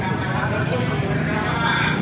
การประตูกรมทหารที่สิบเอ็ดเป็นภาพสดขนาดนี้นะครับ